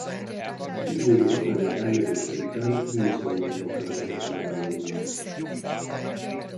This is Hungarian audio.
Az ügyvédi oklevél elnyerése után Rimaszombatban telepedett meg állandóan.